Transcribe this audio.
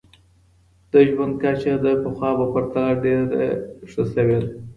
د ژوند کچه د پخوا په پرتله ډېره ښه سوي ده.